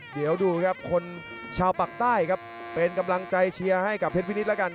เดี๋ยวดูครับคนชาวปากใต้ครับเป็นกำลังใจเชียร์ให้กับเพชรพินิษฐ์แล้วกัน